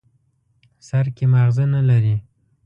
سر کې ماغزه نه لري.